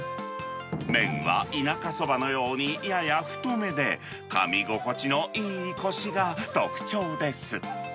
麺は田舎そばのようにやや太めで、かみ心地のいいこしが特徴です。